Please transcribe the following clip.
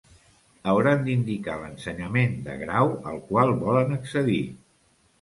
Hauran d'indicar l'ensenyament de grau al qual volen accedir.